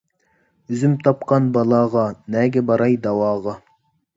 ئۆزۈم تاپقان بالاغا، نەگە باراي داۋاغا.